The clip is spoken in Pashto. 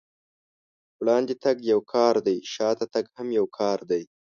وړاندې تګ يو کار دی، شاته تګ هم يو کار دی.